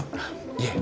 いえ。